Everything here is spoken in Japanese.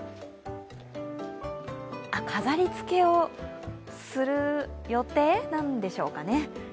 飾りつけをする予定なんでしょうかね。